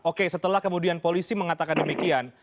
oke setelah kemudian polisi mengatakan demikian